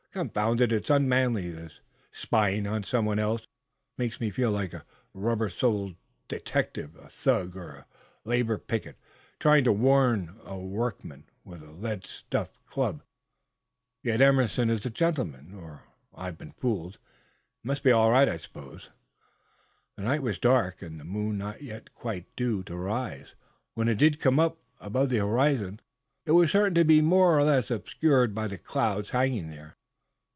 "Confound it, it's unmanly, this spying on someone else! It makes me feel like a rubber soled detective, a thug or a labor picket trying to 'warn' a workman with a lead stuffed club! Yet Emerson is a gentleman, or I've been fooled. It must be all right, I suppose." The night was dark, and the moon not yet quite due to rise. When it did come up above the horizon it was certain to be more or less obscured by the clouds hanging there.